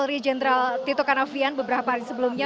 bahkan kapolri jenderal tito canovian beberapa hari sebelumnya